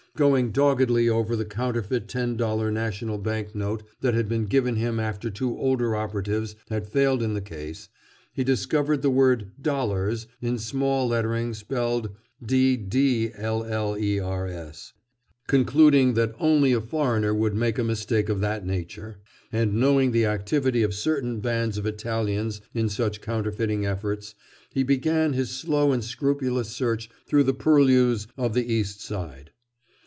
Going doggedly over the counterfeit ten dollar national bank note that had been given him after two older operatives had failed in the case, he discovered the word "Dollars" in small lettering spelt "Ddllers." Concluding that only a foreigner would make a mistake of that nature, and knowing the activity of certain bands of Italians in such counterfeiting efforts, he began his slow and scrupulous search through the purlieus of the East Side.